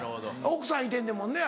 奥さんいてんねんもんね。